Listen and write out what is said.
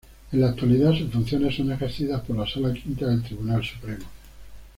En la actualidad sus funciones son ejercidas por la Sala Quinta del Tribunal Supremo.